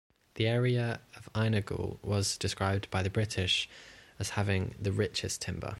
The area of Ainegeul was described by the British has having the "richest" timber.